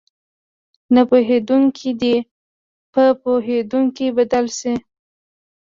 نه پوهېدونکي دې په پوهېدونکي بدل شي.